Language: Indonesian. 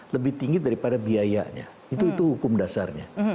lebih tinggi daripada biayanya itu hukum dasarnya